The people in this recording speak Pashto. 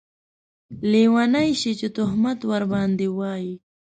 لیونۍ شې چې تهمت ورباندې واېې